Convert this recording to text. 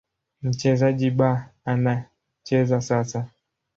Mchezaji B anacheza sasa.